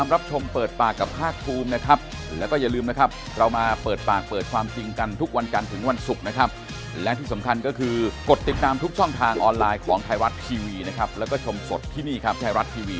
โรดเล่นเกิดเกิดกับนักร้องทั้งหลายเนี่ย